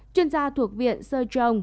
chuyên gia thuộc viện seo jong